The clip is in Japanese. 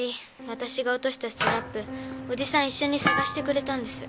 私が落としたストラップおじさん一緒に探してくれたんです。